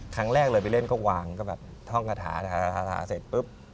ครั้งแรกเลยไปเล่นก็วางก็แบบท่องกระถาเสร็จปุ๊บ